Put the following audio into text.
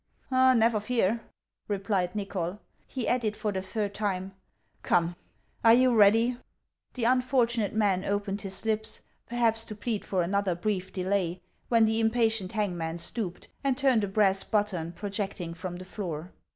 " Never fear," replied Nychol. He added for the third time :" Come, are you read} \" The unfortunate man opened his lips, perhaps to plead for another brief delay, when the impatient hangman stooped and turned a brass button projecting from the floor.